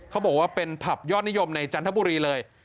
เขาบอกว่าเป็นผับยอดนิยมในจันทบุรีเลย